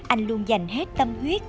anh luôn dành hết tâm huyết